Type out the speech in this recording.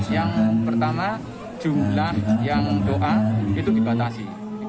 yang pertama jumlah yang doa itu dibatasi